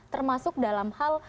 termasuk dalam hal